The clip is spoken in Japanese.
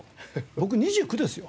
僕２９ですよ？